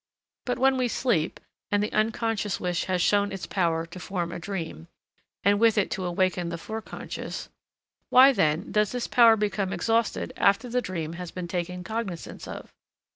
But when we sleep, and the unconscious wish has shown its power to form a dream, and with it to awaken the foreconscious, why, then, does this power become exhausted after the dream has been taken cognizance of?